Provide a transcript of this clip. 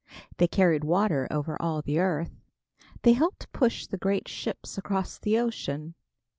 They carried water over all the earth. They helped push the great ships across the ocean.